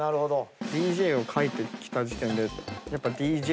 ＤＪを描いてきた時点でやっぱ。